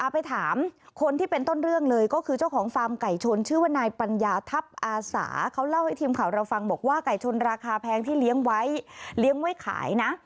ไปถามคนที่เป็นต้นเรื่องเลยก็คือเจ้าของฟาร์มไก่ชนชื่อว่านายปัญญาทัพอาสาเขาเล่าให้ทีมข่าวเราฟังบอกว่าไก่ชนราคาแพงที่เลี้ยงไว้เลี้ยงไว้ขายนะ